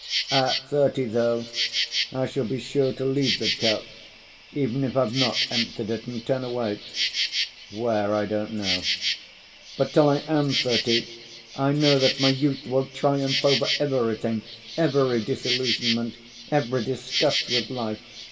At thirty, though, I shall be sure to leave the cup, even if I've not emptied it, and turn away—where I don't know. But till I am thirty, I know that my youth will triumph over everything—every disillusionment, every disgust with life.